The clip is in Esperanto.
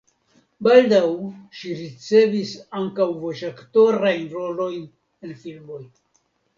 Baldaŭ ŝi ricevis ankaŭ voĉaktorajn rolojn en filmoj.